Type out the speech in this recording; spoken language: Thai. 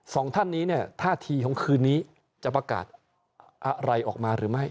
สองท่านนี้เนี่ยท่าทีของคืนนี้จะประกาศอะไรออกมาหรือไม่